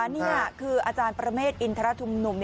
นี่คืออาจารย์ประเมฆอินทรชุมนุม